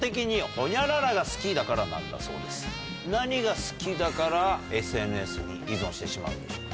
何が好きだからＳＮＳに依存してしまうんでしょうか。